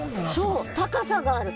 そう高さがある。